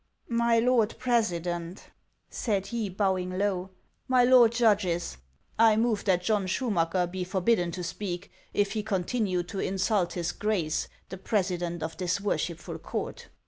" My lord president," said he, bowing low, " my lord judges, I move that John Schumacker be forbidden to speak, if he continue to insult his Grace, the president of this worshipful court."